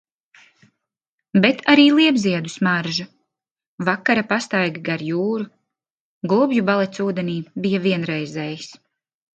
Bet arī liepziedu smaržu. Vakara pastaiga gar jūru, gulbju balets ūdenī bija vienreizējs.